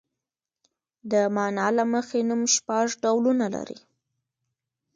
د مانا له مخې نوم شپږ ډولونه لري.